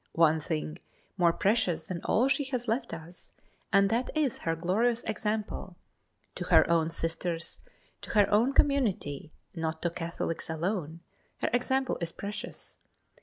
One thing more precious than all she has left us and that is her glorious example. To her own Sisters, to her own community, not to Catholics alone, her example is precious.